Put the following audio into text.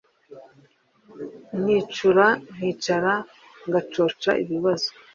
Nkicura nkicara ngacoca ibibazo.